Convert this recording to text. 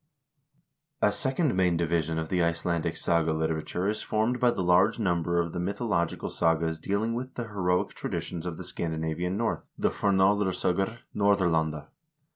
A second main division of the Icelandic saga literature is formed by the large number of mythological sagas dealing with the heroic traditions of the Scandinavian North, the " Fornaldars0gur NorSr landa."